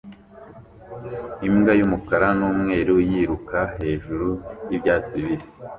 Imbwa y'umukara n'umweru yiruka hejuru y'ibyatsi bibisi